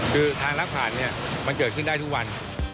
คือทางลักผ่านเนี่ยมันเกิดขึ้นได้ทุกวัน